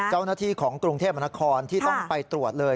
เจ้าหน้าที่ของกรุงเทพมนครที่ต้องไปตรวจเลย